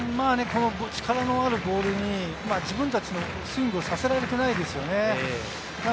力のあるボールに自分たちのスイングをさせられていないですよね。